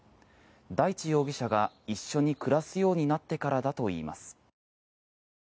大地容疑者が一緒に暮らすようになってからだといいます。